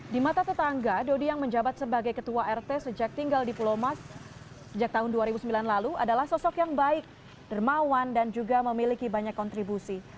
di mata tetangga dodi yang menjabat sebagai ketua rt sejak tinggal di pulau mas sejak tahun dua ribu sembilan lalu adalah sosok yang baik dermawan dan juga memiliki banyak kontribusi